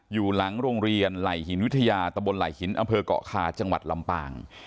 อยู่หลังโรงเรียนไหล่หินวิทยาตะบนไหล่หินอำเภอกเกาะคาจังหวัดลำปาง